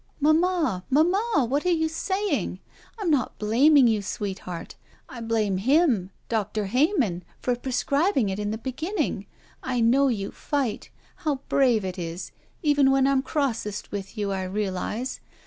"Manuna, mamma, what are you saying? I'm 25 SHE WALKS IN BEAUTY not blaming you, sweetheart. I blame him — Doctor Heyman — for prescribing it in the beginning. I know your fight. How brave it is. Even when I'm Grossest with you, I realize.